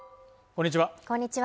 こんにちは